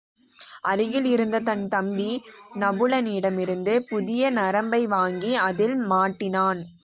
அருகில் இருந்த தன் தம்பி நபுலனிடமிருந்து புதிய நரம்பைவாங்கி அதில் மாட்டினான்.